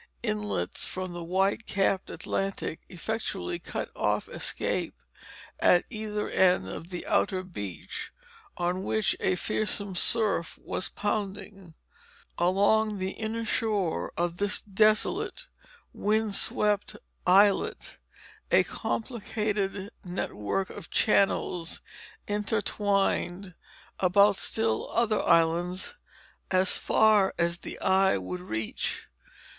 Inlets from the white capped Atlantic effectually cut off escape at either end of the outer beach on which a fearsome surf was pounding. Along the inner shore of this desolate, wind swept islet a complicated network of channels intertwined about still other islands as far as the eye would reach.